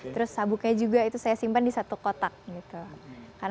terus sabuknya juga itu saya simpan di satu kotak gitu